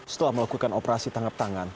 setelah melakukan operasi tangkap tangan